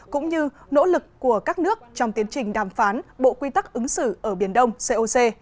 cũng như nỗ lực của các nước trong tiến trình đàm phán bộ quy tắc ứng xử ở biển đông coc